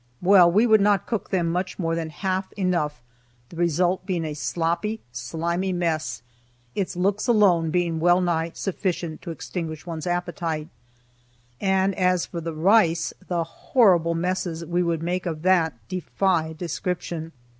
Well, we would not cook them much more than half enough, the result being a sloppy, slimy mess, its looks alone being well nigh sufficient to extinguish one's appetite. And as for the rice the horrible messes we would make of that defy description.